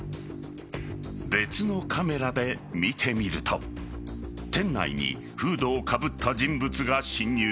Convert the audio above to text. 別のカメラで見てみると店内にフードをかぶった人物が侵入。